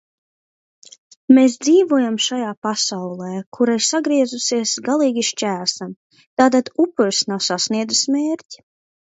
Mēs dzīvojam šajā pasaulē, kura ir sagriezusies galīgi šķērsām. Tātad upuris nav sasniedzis mērķi...